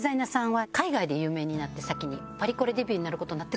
パリコレデビューになる事になって。